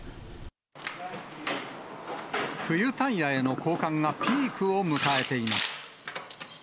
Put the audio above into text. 冬タイヤへの交換がピークを迎えています。